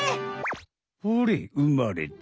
ほれうまれた！